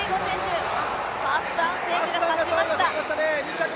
ハッサン選手が勝ちました。